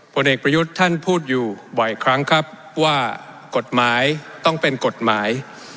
ผลเอกประยุทธ์ท่านพูดอยู่บ่อยครั้งครับว่ากฎหมายต้องเป็นกฎหมาย